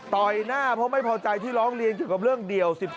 หน้าเพราะไม่พอใจที่ร้องเรียนเกี่ยวกับเรื่องเดี่ยว๑๒